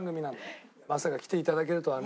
まさか来て頂けるとはね。